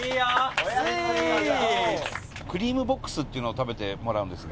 クリームボックスっていうのを食べてもらうんですが。